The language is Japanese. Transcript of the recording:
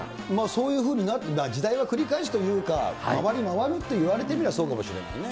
そういうふうになるかな、時代は繰り返すというか、回り回るといわれてみればそうかもしれないね。